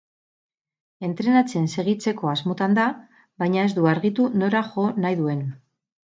Entrenatzen segitzeko asmotan da, baina ez du argitu nora jo nahi duen.